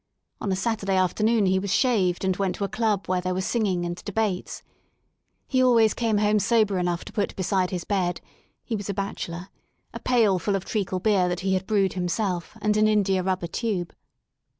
On a Satur day afternoon he was shaved and went to a club where there were singing and debates. He always came home sober enough to put beside his bed — he was a bachelor — a pailful of treacle beer that he had brewed himself, and an indiarubber tube.